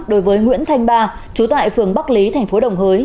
đối với nguyễn thanh ba chú tại phường bắc lý tp đồng hới